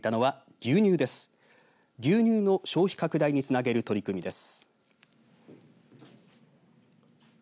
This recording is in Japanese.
牛乳の消費拡大につなげる取り組みです。